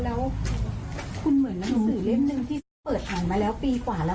แล้วคุณเหมือนมีสื่อเล่มนึงที่เปิดอ่านมาแล้วปีกว่าแล้ว